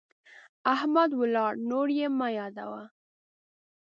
احمد ولاړ، نور يې مه يادوه.